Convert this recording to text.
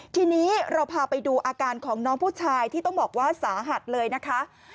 ทีนี้เราพาไปดูอาการของน้องผู้ชายที่ต้องบอกว่าสาหัสเลยนะคะ